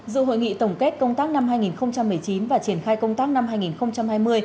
dự hội nghị tổng kết công tác năm hai nghìn một mươi chín và triển khai công tác năm hai nghìn hai mươi